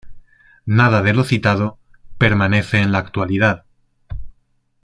Nada de lo citado permanece en la actualidad.